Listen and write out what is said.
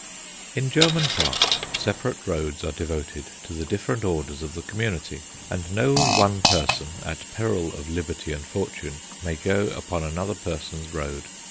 In German parks separate roads are devoted to the different orders of the community, and no one person, at peril of liberty and fortune, may go upon another person's road.